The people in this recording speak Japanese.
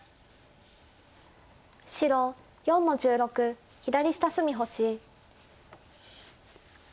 白４の十六左下隅星。